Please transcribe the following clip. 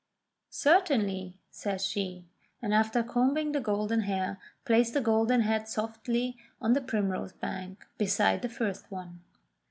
"Certainly," says she, and after combing the golden hair, placed the golden head softly on the primrose bank, beside the first one.